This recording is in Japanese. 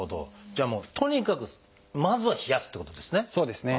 じゃあもうとにかくまずは冷やすってことですね。